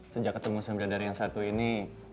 sejak ketemu saudara dari yang satu ini